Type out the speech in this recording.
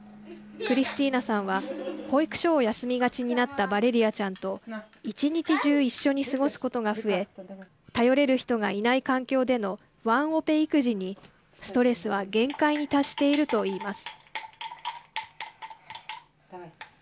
クリスティーナさんは保育所を休みがちになったバレリアちゃんと一日中一緒に過ごすことが増え頼れる人がいない環境でのワンオペ育児にストレスは限界に達していると言います。